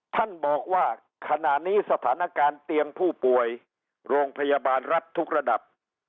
ท่านบอกว่าขณะนี้สถานการณ์เตียงผู้ป่วยโรงพยาบาลรัฐทุกระดับ